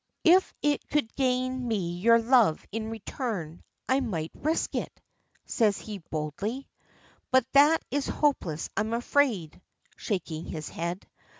"If it could gain me your love in return, I might risk it," says he boldly. "But that is hopeless I'm afraid," shaking his head.